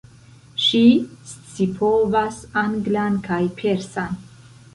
Ŝi scipovas anglan kaj persan.